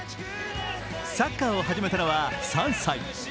サッカーを始めたの３歳。